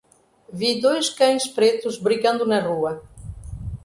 Vi dois cães pretos brigando na rua